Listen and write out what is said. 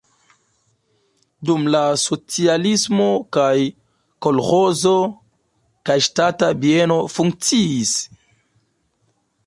Dum la socialismo kaj kolĥozo, kaj ŝtata bieno funkciis.